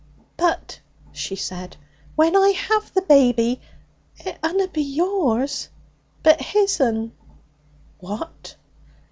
'But,' she said, 'when I have the baby, it unna be yours, but his'n.' 'What?'